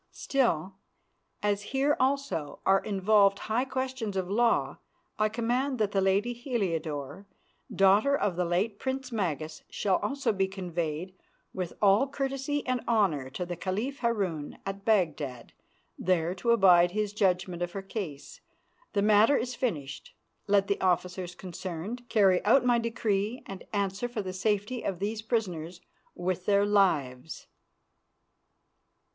Still, as here also are involved high questions of law, I command that the lady Heliodore, daughter of the late Prince Magas, shall also be conveyed with all courtesy and honour to the Caliph Harun at Baghdad, there to abide his judgment of her case. The matter is finished. Let the officers concerned carry out my decree and answer for the safety of these prisoners with their lives."